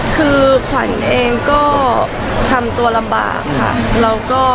คือขวัญเองก็ทำตัวลำบากค่ะ